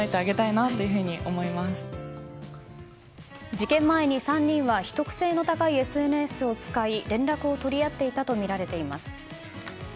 事件前に３人は秘匿性の高いＳＮＳを使い連絡を取り合っていたとみられています。